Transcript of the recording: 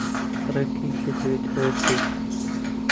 ڕێک کەی دەتەوێت ئەوە بکەیت؟